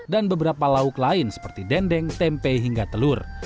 dan beberapa lauk lain seperti dendeng tempe hingga telur